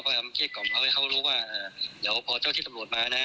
เราก็เคลียร์กรรมให้เขารู้ว่าเดี๋ยวพอเจ้าที่ตำโลธมานะ